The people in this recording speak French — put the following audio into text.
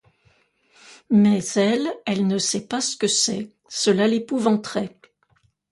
Mais elle, elle ne sait pas ce que c'est, cela l'épouvanterait.